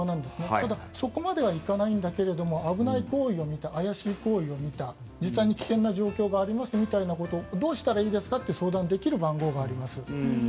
ただ、そこまでは行かないんだけれども危ない行為を見た怪しい行為を見た実際に危険な状況がありますみたいな時にどうしたらいいですか？と相談できる番号があります。